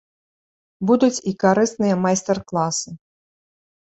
Будуць і карысныя майстар класы.